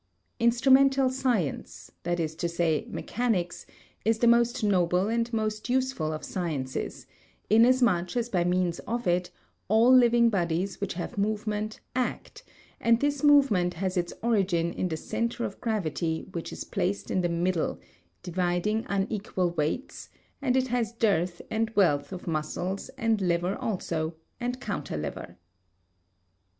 Instrumental science, that is to say, mechanics, is the most noble and most useful of sciences, inasmuch as by means of it all living bodies which have movement act; and this movement has its origin in the centre of gravity which is placed in the middle, dividing unequal weights, and it has dearth and wealth of muscles and lever also and counter lever.